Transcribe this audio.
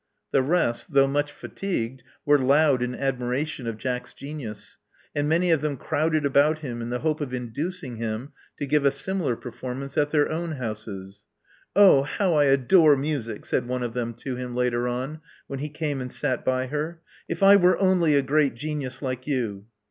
The rest, though much fatigued, were loud in admiration of Jack's genius; and many of them crowded about him in the hope of inducing him to g^ve a similar performance at their own houses. Oh, how I adore music!" saidptone of them to him later on, when he came and sat by her. '*If I were only a great genius like you!"